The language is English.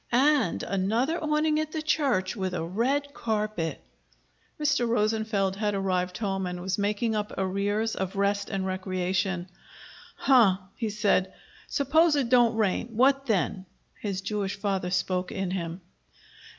"And another awning at the church, with a red carpet!" Mr. Rosenfeld had arrived home and was making up arrears of rest and recreation. "Huh!" he said. "Suppose it don't rain. What then?" His Jewish father spoke in him.